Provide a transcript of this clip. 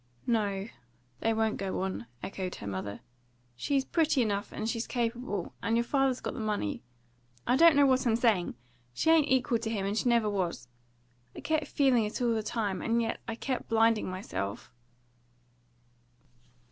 "No, they won't go on," echoed her mother. "She's pretty enough, and she's capable; and your father's got the money I don't know what I'm saying! She ain't equal to him, and she never was. I kept feeling it all the time, and yet I kept blinding myself."